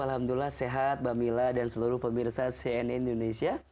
alhamdulillah sehat bhamila dan seluruh pemirsa cnn indonesia